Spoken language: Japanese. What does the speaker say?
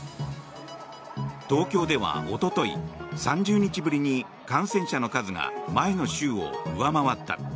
東京では、おととい３０日ぶりに感染者の数が前の週を上回った。